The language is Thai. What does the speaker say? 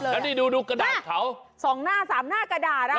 แล้วนี่ดูกระดาษเขา๒หน้า๓หน้ากระดาษ